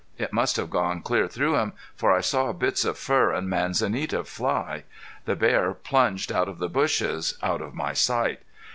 It must have gone clear through him for I saw bits of fur and manzanita fly. The bear plunged out of the bushes out of my sight.